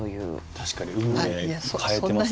確かに運命変えてますねこれ。